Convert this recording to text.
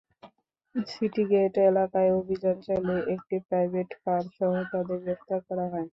City gate এলাকায় অভিযান চালিয়ে একটি প্রাইভেট কারসহ তাঁদের গ্রেপ্তার করা হয়।